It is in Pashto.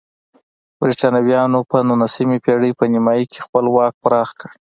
برېټانویانو په نولسمې پېړۍ په نیمایي کې خپل واک پراخ کړ.